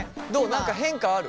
何か変化ある？